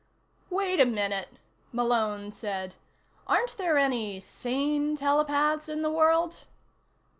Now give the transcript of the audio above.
"Wait a minute," Malone said. "Aren't there any sane telepaths in the world?"